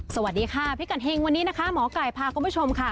สวัสดีค่ะพิกัดเฮงวันนี้นะคะหมอไก่พาคุณผู้ชมค่ะ